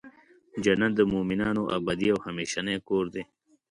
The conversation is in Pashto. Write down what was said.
جنت د مؤمنانو ابدې او همیشنی کور دی .